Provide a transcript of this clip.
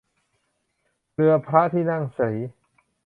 เรือพระที่นั่งศรี